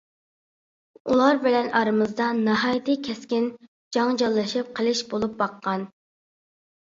ئۇلار بىلەن ئارىمىزدا ناھايىتى كەسكىن جاڭجاللىشىپ قېلىش بولۇپ باققان.